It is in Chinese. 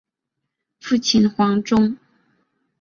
父亲黄中。